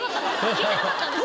聞いてなかったんです。